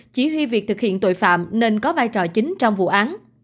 chỉ huy việc thực hiện tội phạm nên có vai trò chính trong vụ án